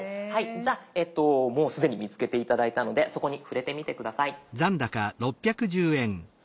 じゃあもう既に見つけて頂いたのでそこに触れてみて下さい。